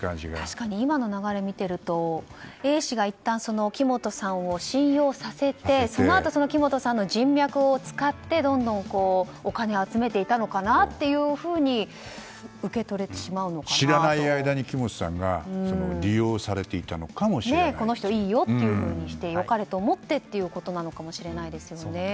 今の流れを見ているとＡ氏が、いったん木本さんを信用させてその木本さんの人脈を使って、どんどんお金を集めていたのかなというふうに知らない間に木本さんがこの人いいよというふうにして良かれと思ってということかもしれませんよね。